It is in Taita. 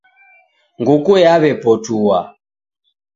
Nguku yaw'epotua.